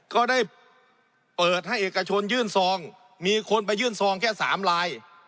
ก็ได้เปิดให้เอกชนยื่นซองมีคนไปยื่นซองแค่๓ลาย